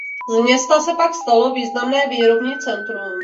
Z města se pak stalo významné výrobní centrum.